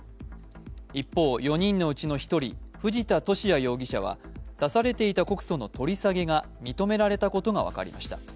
一方、４人のうちの１人、藤田聖也容疑者は出されていた告訴の取り下げが認められていたことが分かりました。